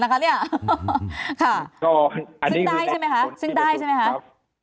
ซึ่งใดใช่ไหมครับ